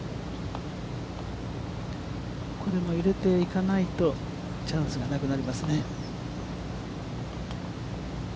これも入れていかないとチャンスがなくなりますね。